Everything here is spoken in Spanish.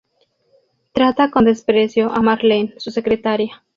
Trata con desprecio a Marlene, su secretaria.